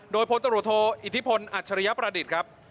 โดยพลตรวจโทอิทธิพลอัจฉริยประดิษฐ์ครับ